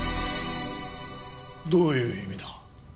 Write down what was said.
どういう意味だ？